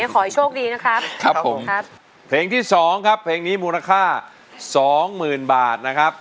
ขอให้โชคดีนะครับครับผมครับเพลงที่สองครับเพลงนี้มูลค่าสองหมื่นบาทนะครับ